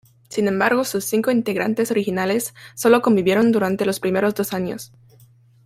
Sin embargo sus cinco integrantes originales sólo convivieron durante los primeros dos años.